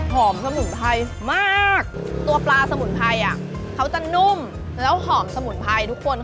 สมุนไพรมากตัวปลาสมุนไพรอ่ะเขาจะนุ่มแล้วหอมสมุนไพรทุกคน